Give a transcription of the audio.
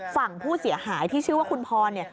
ฝั่งผู้เสียหายที่ชื่อว่าคุณพรเนี่ย